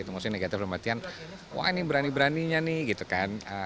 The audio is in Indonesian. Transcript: maksudnya negatif wah ini berani beraninya nih gitu kan